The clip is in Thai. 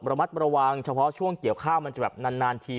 ระมัดระวังเฉพาะช่วงเกี่ยวข้าวมันจะแบบนานที